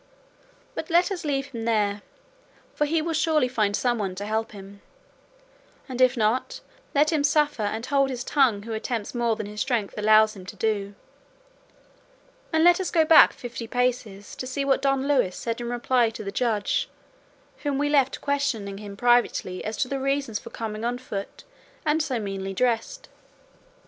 But let us leave him there; for he will surely find some one to help him, and if not, let him suffer and hold his tongue who attempts more than his strength allows him to do; and let us go back fifty paces to see what Don Luis said in reply to the Judge whom we left questioning him privately as to his reasons for coming on foot and so meanly dressed.